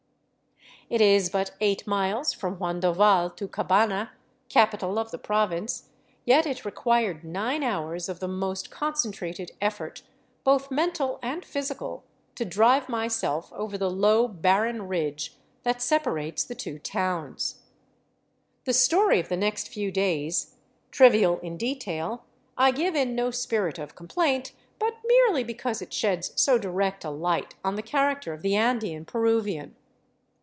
It is but eight miles from Huandoval to Cabana, capital of the province; yet it required nine hours of the most concentrated effort, both mental and physical, to drive myself over the low, barren ridge that separates the two towns. The story of the next few days, trivial in detail, I give in no spirit of complaint, but merely because it sheds so direct a light on the character of the Andean Peruvian.